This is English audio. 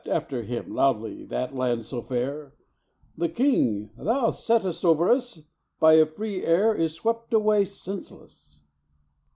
_] Laugh'd after him loudly that land so fair,[E] "The king thou set'st over us, by a free air Is swept away, senseless."